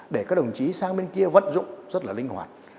để các đồng chí sang bên kia vận dụng rất là linh hoạt